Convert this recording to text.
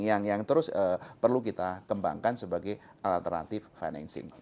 yang terus perlu kita kembangkan sebagai alternatif financing